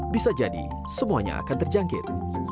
bisa jadi semuanya akan terjangkit